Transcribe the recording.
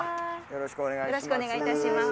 よろしくお願いします。